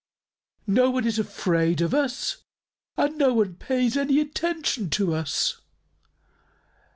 No one is afraid of us and no one pays any attention to us."